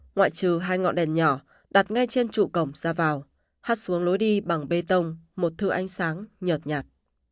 ngoại trừ hai ngọn đèn nhỏ đặt ngay trên trụ cổng ra vào hát xuống lối đi bằng bê tông một thư ánh sáng nhẹt nhạt